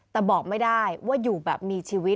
แต่บอกไม่ได้ว่าอยู่แบบมีชีวิต